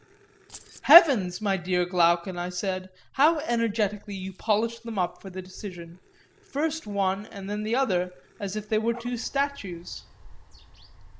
Heavens! my dear Glaucon, I said, how energetically you polish them up for the decision, first one and then the other, as if they were two statues.